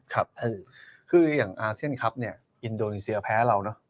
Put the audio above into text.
ครับคืออย่างอาร์เซียนคับอินโดนิเซียแพ้เรา